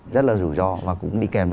rất là rủi ro và cũng đi kèm